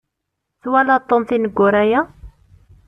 Twalaḍ Tom tineggura-ya?